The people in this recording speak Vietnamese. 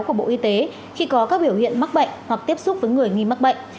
của bộ y tế khi có các biểu hiện mắc bệnh hoặc tiếp xúc với người nghi mắc bệnh